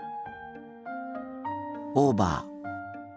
オーバー。